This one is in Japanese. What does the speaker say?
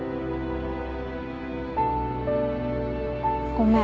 ごめん。